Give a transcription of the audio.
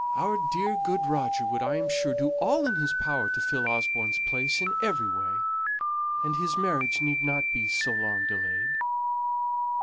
"Our dear good Roger would, I am sure, do all in his power to fill Osborne's place in every way; and his marriage need not be so long delayed."